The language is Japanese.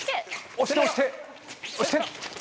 押して押して押して！